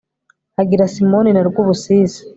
Agira Simoni na Rwubusisi